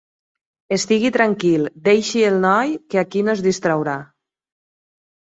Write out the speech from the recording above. Estigui tranquil, deixi el noi, que aquí no es distraurà.